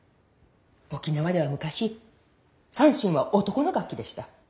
沖縄では昔三線は男の楽器でした。